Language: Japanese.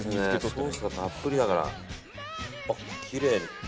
ソースがたっぷりだからきれいに。